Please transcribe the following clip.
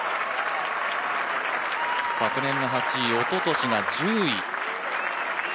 昨年の８位、おととしが１０位。